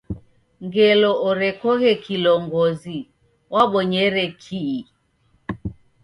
Ngelo orekoghe kilongozi wabonyere kii?